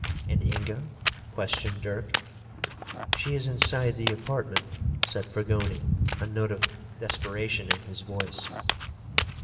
"And Inga?" questioned Dirk. "She is inside the apartment," said Fragoni, a note of desperation in his voice.